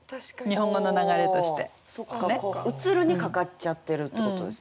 「映る」にかかっちゃってるってことですね。